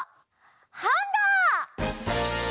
ハンガー！